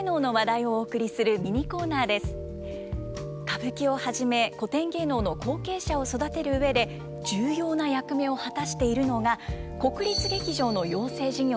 歌舞伎をはじめ古典芸能の後継者を育てる上で重要な役目を果たしているのが国立劇場の養成事業です。